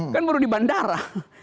kan baru di bandara